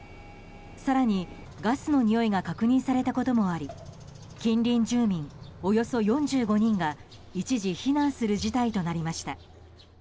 更に、ガスのにおいが確認されたこともあり近隣住民およそ４５人が一時避難する事態となりました。